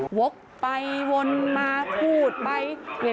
วกไปวนมาพูดไป